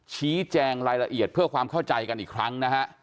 ชี้แจงรายละเอียดเพื่อความเข้าใจกันอีกครั้งนะฮะ